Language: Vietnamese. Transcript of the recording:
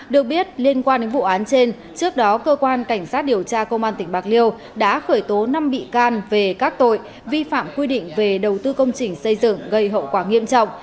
được biết liên quan đến vụ án trên trước đó cơ quan cảnh sát điều tra công an tỉnh bạc liêu đã khởi tố năm bị can về các tội vi phạm quy định về đầu tư công trình xây dựng gây hậu quả nghiêm trọng